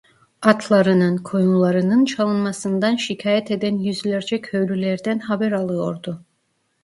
Atlarının, koyunlarının çalınmasından şikâyet eden yüzlerce köylülerden haber alıyordu.